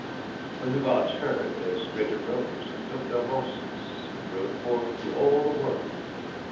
When the Gods heard, they straight arose, and took Their horses, and rode forth through all the world.